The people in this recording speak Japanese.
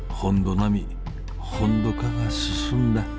並み本土化が進んだ？